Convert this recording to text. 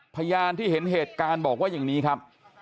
พยานที่เห็นเหตุการณ์บอกว่าอย่างนี้ครับ